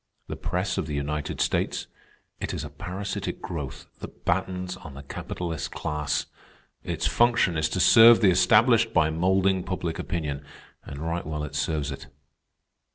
The press of the United States? It is a parasitic growth that battens on the capitalist class. Its function is to serve the established by moulding public opinion, and right well it serves it.